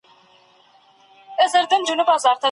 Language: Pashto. هغه مریضان چې اسهال لري باید مالګه وڅښي.